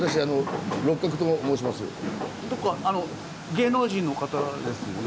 芸能人の方ですよね？